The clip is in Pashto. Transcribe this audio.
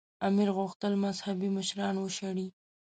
امیر غوښتل مذهبي مشران وشړي.